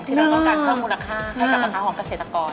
ที่เราต้องการเพิ่มมูลค่าให้กับมะพร้าวหอมเกษตรกร